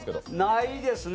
ないですね。